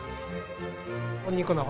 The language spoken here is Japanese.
お肉の方。